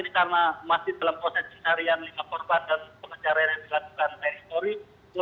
ini karena masih dalam proses pencarian lima korban dan pengejaran yang dilakukan tni stori